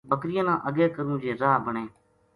بکریاں نا اگے کروں جے راہ بنے